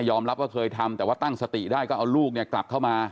รับว่าเคยทำแต่ว่าตั้งสติได้ก็เอาลูกเนี่ยกลับเข้ามา